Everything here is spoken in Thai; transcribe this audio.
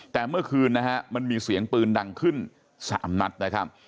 แต่เมื่อคืนนะฮะมันมีเสียงปืนดังขึ้น๓นัดนะครับ